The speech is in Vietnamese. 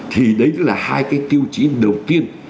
thì đấy là hai cái tiêu chí đầu tiên